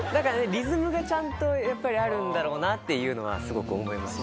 リズムがちゃんとやっぱりあるんだろうなっていうのはすごく思います。